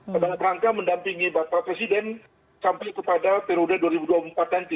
pada rangka mendampingi bapak presiden sampai kepada periode dua ribu dua puluh empat nanti